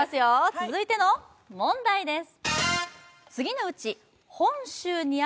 続いての問題です。